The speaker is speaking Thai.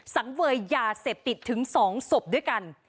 สังเวยยาเสพติดถึง๒ศพด้วยกัน